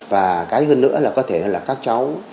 và cái hơn nữa là có thể là các cháu